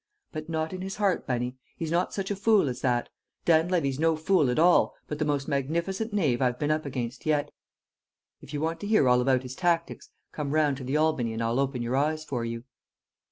But not in his heart, Bunny; he's not such a fool as that. Dan Levy's no fool at all, but the most magnificent knave I've been up against yet. If you want to hear all about his tactics, come round to the Albany and I'll open your eyes for you."